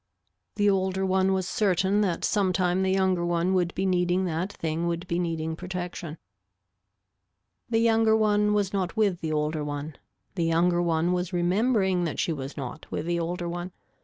The older one was certain that sometime the younger one would be needing that thing would be needing protection. The younger one was not with the older one. The younger one was remembering that she was not with the older one.